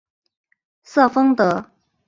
瑟丰德。